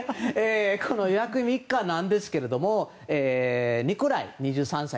この約３日なんですがニコライ、２３歳。